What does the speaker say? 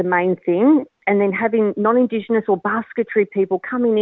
dan memiliki orang orang non indonesia atau orang orang yang berpengguna